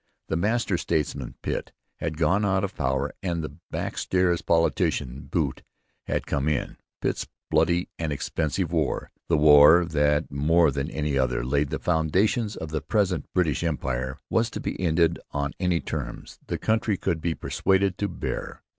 The master statesman Pitt had gone out of power and the back stairs politician Bute had come in. Pitt's 'bloody and expensive war' the war that more than any other, laid the foundations of the present British Empire was to be ended on any terms the country could be persuaded to bear.